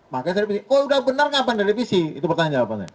maka saya revisi oh udah benar gak pernah revisi itu pertanyaan jawabannya